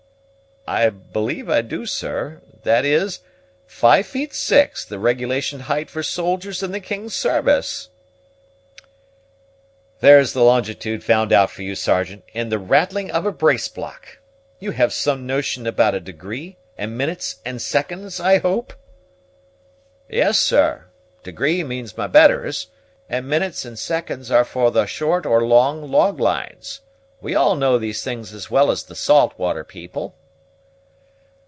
"I believe I do, sir; that is, five feet six, the regulation height for soldiers in the king's service." "There's the longitude found out for you, Sergeant, in the rattling of a brace block! You have some notion about a degree, and minutes and seconds, I hope?" "Yes, sir; degree means my betters; and minutes and seconds are for the short or long log lines. We all know these things as well as the salt water people."